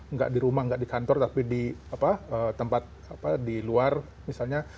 nggak di rumah nggak di kantor tapi di tempat di luar misalnya